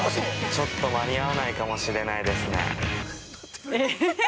◆ちょっと間に合わないかもしれないですね。